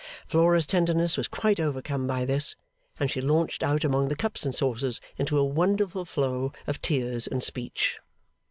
Flora's tenderness was quite overcome by this, and she launched out among the cups and saucers into a wonderful flow of tears and speech.